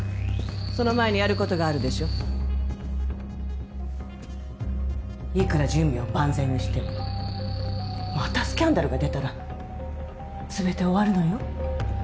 その前にやることがあるでしょいくら準備を万全にしてもまたスキャンダルが出たら全て終わるのよ